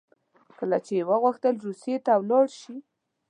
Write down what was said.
کله چې یې وغوښتل روسیې ته ولاړ شي.